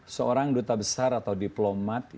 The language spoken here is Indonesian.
seorang duta besar atau diplomat